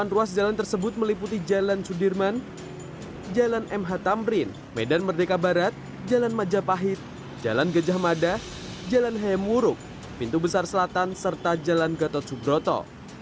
delapan ruas jalan tersebut meliputi jalan sudirman jalan mh tamrin medan merdeka barat jalan majapahit jalan gejah mada jalan hemuruk pintu besar selatan serta jalan gatot subroto